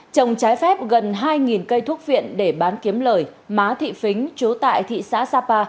trồng trái phép gần hai cây thuốc viện để bán kiếm lời má thị phính trú tại thị xã sapa